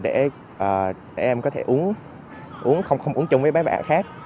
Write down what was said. để em có thể uống không uống chung với mấy bạn khác